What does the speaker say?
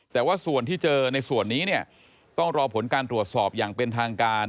แต่ว่าส่วนที่เจอในส่วนนี้เนี่ยต้องรอผลการตรวจสอบอย่างเป็นทางการ